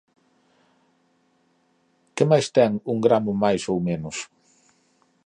Que máis ten un gramo máis ou menos?